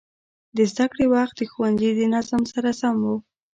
د زده کړې وخت د ښوونځي د نظم سره سم و.